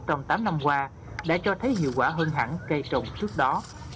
trong tám năm qua đã cho thấy hiệu quả hơn hẳn cây trồng trước đó